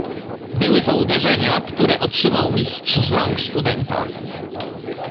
"Były to uderzenia, które otrzymał Mistrz z rąk studenta."